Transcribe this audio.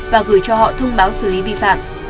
và gửi cho họ thông báo xử lý vi phạm